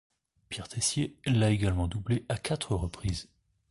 Pierre Tessier l'a également doublé à quatre reprises.